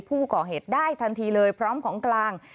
ผู้ก่อเหตุได้ทันทีเลยพร้อมของกลาง